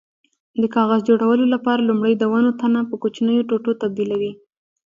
د کاغذ جوړولو لپاره لومړی د ونو تنه په کوچنیو ټوټو تبدیلوي.